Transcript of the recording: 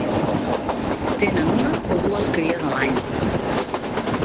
Tenen una o dues cries a l'any.